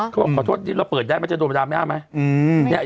ขอบคุณพี่เดี๋ยวเราเปิดได้มาจะโดนประดับได้ค่ะ